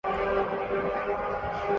Falkland جزائر